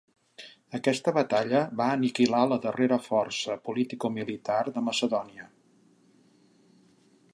Aquesta batalla va aniquilar la darrera força politicomilitar de Macedònia.